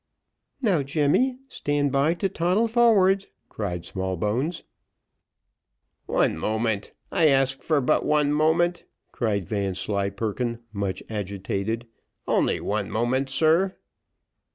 "Now Jemmy, stand by to toddle forward," cried Smallbones. "One moment I ask but one moment," cried Vanslyperken, much agitated, "only one moment, sir."